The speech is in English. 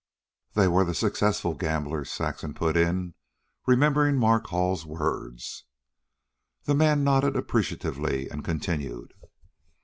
"They were the successful gamblers," Saxon put in, remembering Mark Hall's words. The man nodded appreciatively and continued.